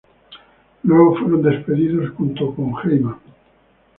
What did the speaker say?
Luego fueron despedidos junto con Heyman.